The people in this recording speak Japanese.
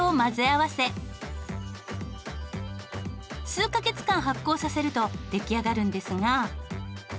数カ月間発酵させると出来上がるんですが。